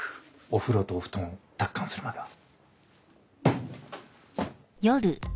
お風呂とお布団を奪還するまでは。